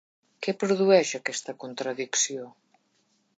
Què produeix aquesta contradicció?